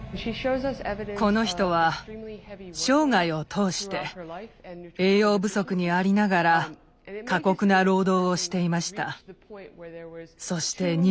この人は生涯を通して栄養不足にありながら過酷な労働をしていました。